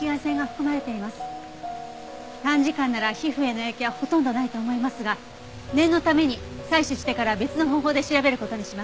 短時間なら皮膚への影響はほとんどないと思いますが念のために採取してから別の方法で調べる事にします。